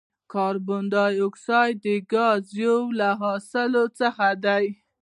کاربن ډای اکساید ګاز یو له حاصلو څخه دی.